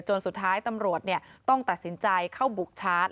สุดท้ายตำรวจต้องตัดสินใจเข้าบุกชาร์จ